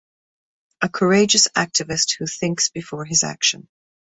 A courageous activist who thinks before his action.